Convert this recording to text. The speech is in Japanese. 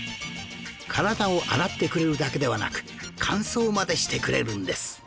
体を洗ってくれるだけではなく乾燥までしてくれるんです